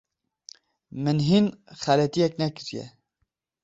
Min hîn xeletiyek nekiriye.